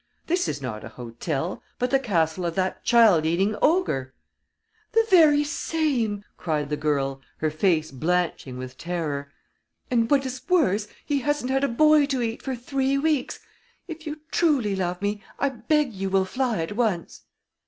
This is not a hotel, but the castle of that child eating ogre " "The very same!" cried the girl, her face blanching with terror. "And, what is worse, he hasn't had a boy to eat for three weeks. If you truly love me, I beg you will fly at once."